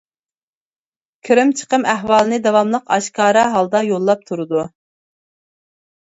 كىرىم چىقىم ئەھۋالىنى داۋاملىق ئاشكارا ھالدا يوللاپ تۇرىدۇ.